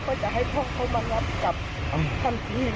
แล้วจะทำยังไงก็ให้น้องท่านอย่างน้อย